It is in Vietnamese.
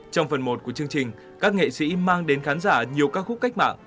trong phần một của chương trình các nghệ sĩ mang đến khán giả nhiều ca khúc cách mạng